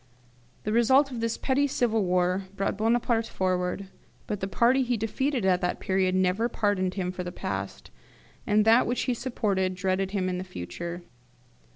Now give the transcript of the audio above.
The result of this petty civil war brought Bonaparte forward; but the party he defeated at that period never pardoned him for the past, and that which he supported dreaded him in the future.